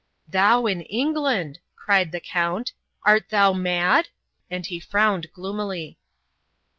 "Thou in England!" cried the Count. "Art thou mad?" And he frowned gloomily.